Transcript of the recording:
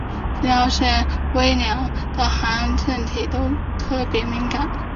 其腺体对微量的含氮物都非常敏感。